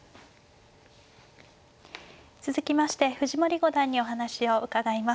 続きまして藤森五段にお話を伺います。